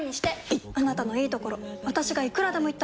いっあなたのいいところ私がいくらでも言ってあげる！